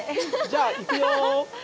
じゃあいくよ！